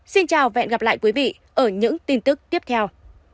xin chào và hẹn gặp lại quý vị ở những tin tức tiếp theo